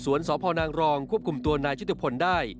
สวนศพนางรองควบคุมตัวนายจิตุพลิยได้